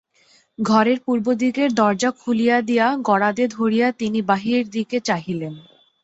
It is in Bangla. ঘরের পূর্বদিকের দরজা খুলিয়া দিয়া গরাদে ধরিয়া তিনি বাহিরের দিকে চাহিলেন।